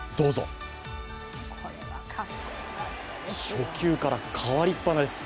初球から、代わりっぱなです。